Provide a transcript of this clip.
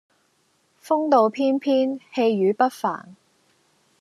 風度翩翩、氣宇不凡